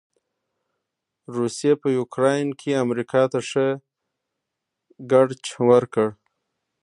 روسې په يوکراين کې امریکا ته ښه ګړچ ورکړ.